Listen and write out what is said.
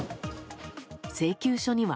請求書には。